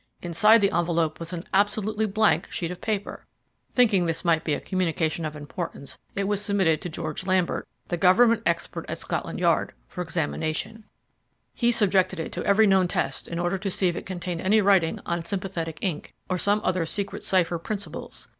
Inside the envelope was an absolutely blank sheet of paper. Thinking this might be a communication of importance it was submitted to George Lambert, the Government expert at Scotland Yard, for examination he subjected it to every known test in order to see if it contained any writing on sympathetic ink, or some other secret cipher principles.